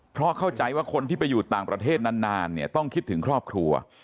เพราะเข้าใจว่าคนที่ไปอยู่ต่างประเทศนานเนี่ยต้องคิดถึงครอบครัว